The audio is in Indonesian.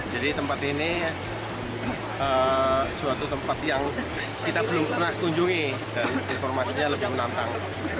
jadi tempat ini suatu tempat yang kita belum pernah kunjungi dan informasinya lebih menantang